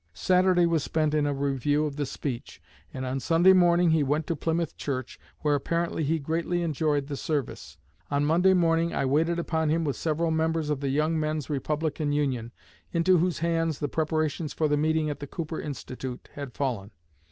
Saturday was spent in a review of the speech, and on Sunday morning he went to Plymouth church, where apparently he greatly enjoyed the service. On Monday morning I waited upon him with several members of the Young Men's Republican Union, into whose hands the preparations for the meeting at the Cooper Institute had fallen.